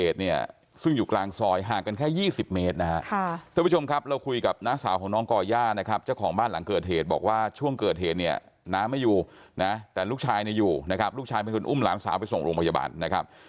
แต่ลูกชายอยู่นะครับลูกชายเป็นคนอุ้มหลานสาวไปส่งโรงพยาบาลนะครับ